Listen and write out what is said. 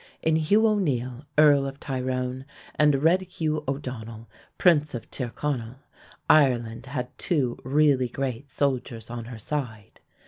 In Hugh O'Neill, Earl of Tyrone, and "Red" Hugh O'Donnell, prince of Tyrconnell, Ireland had two really great soldiers on her side.